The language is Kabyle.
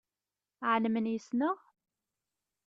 Ԑelmen yess-neɣ?